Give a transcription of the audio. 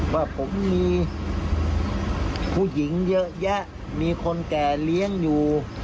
ว่าผมมีผู้หญิงเยอะแยะมีคนแก่เลี้ยงอยู่